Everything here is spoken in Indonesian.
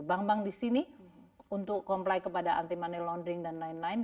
nah bank bank disini untuk comply kepada anti money laundering dan lain lain